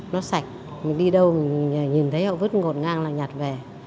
nó sạch mình đi đâu mình nhìn thấy họ vứt ngột ngang là nhặt về